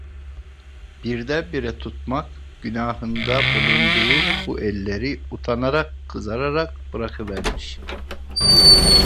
Birdenbire tutmak günahında bulunduğu bu elleri, utanarak, kızararak bırakıvermiş.